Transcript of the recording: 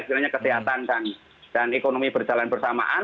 sebenarnya kesehatan dan ekonomi berjalan bersamaan